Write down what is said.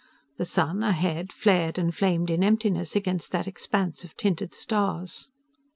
The sun, ahead, flared and flamed in emptiness against that expanse of tinted stars.